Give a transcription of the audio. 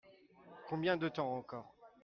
Combien de temps encore ?